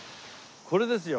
これですよ。